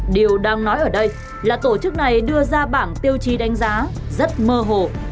điều đang nói ở đây là tổ chức này đưa ra bảng tiêu chí đánh giá rất mơ hồ